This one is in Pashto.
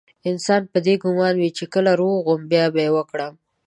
انسان په دې ګمان وي چې کله روغ وم بيا به يې وکړم.